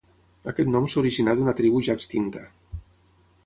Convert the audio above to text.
Aquest nom s'originà d'una tribu ja extinta.